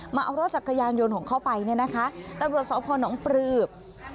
มาเอารถจักรยานยนต์ของเข้าไปแต่บริษัทศาสตร์พ่อน้องปลือบ